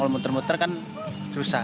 kalau muter muter kan susah